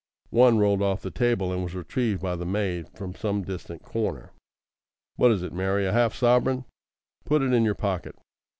One rolled off the table and was retrieved by the maid from some distant corner. "What is it, Mary? A half sovereign? Put it in your pocket.